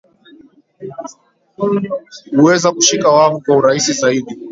huweza kushika wavu kwa urahisi zaidi